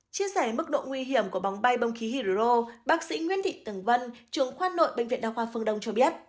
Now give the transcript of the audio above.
chia sẻ mức độ nguy hiểm của bóng bay bông khí hydro bác sĩ nguyễn thị từng vân trường khoa nội bệnh viện đa khoa phương đông cho biết